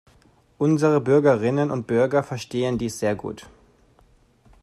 Unsere Bürgerinnen und Bürger verstehen dies sehr gut.